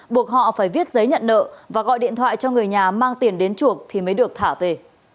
buộc họ phải viết giấy nhận nợ và gọi điện thoại cho người nhà mang tiền đến chuộc thì mới được thả về